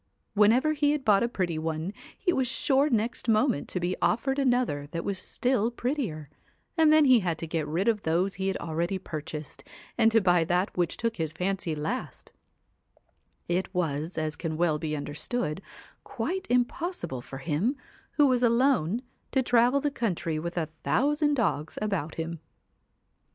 Whenever he had bought a pretty one, he was sure next moment to be offered another that was still prettier, and then he had to get rid of those he had already purchased, and to buy that which took his fancy last ; it was, as can well be under stood, quite impossible for him, who was alone, to travel the country with a thousand dogs about him.